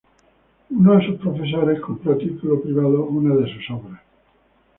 Uno de sus profesores compró a título privado una de sus obras.